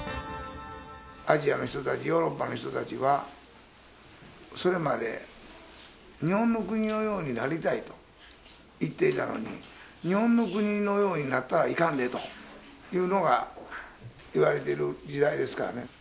アジアの人たち、ヨーロッパの人たちは、それまで日本の国のようになりたいと言っていたのに、日本の国のようになったらいかんでというのがいわれている時代ですからね。